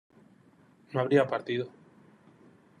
no habría partido